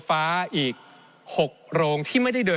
ในช่วงที่สุดในรอบ๑๖ปี